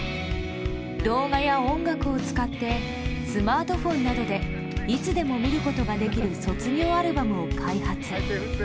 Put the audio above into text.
動画や音楽を使ってスマートフォンなどでいつでも見ることができる卒業アルバムを開発。